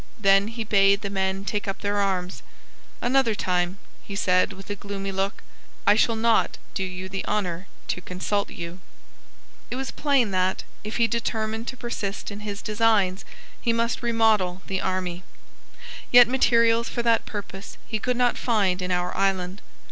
Then he bade the men take up their arms. "Another time," he said, with a gloomy look, "I shall not do you the honour to consult you." It was plain that, if he determined to persist in his designs, he must remodel his army. Yet materials for that purpose he could not find in our island.